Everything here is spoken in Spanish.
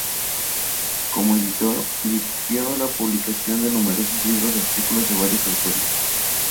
Como editor, dirigió la publicación de numerosos libros de artículos de varios autores.